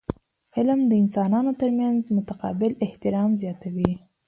علم د انسانانو ترمنځ متقابل احترام زیاتوي.